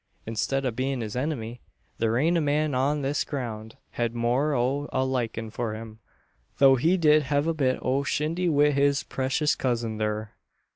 Instead o' bein' his enemy, thur aint a man on this ground hed more o' a likin' for him tho' he did hev a bit o' shindy wi' his precious cousin thur."